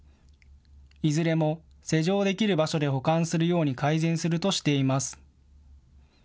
いずれも施錠できる場所で保管するように改善するとしています。